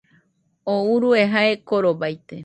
Tú urue jae korobaite